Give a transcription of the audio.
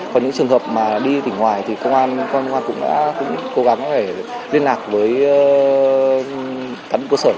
còn những trường hợp mà đi tỉnh ngoài thì công an cũng đã cố gắng liên lạc với các cơ sở